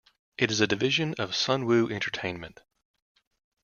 It is a division of Sunwoo Entertainment.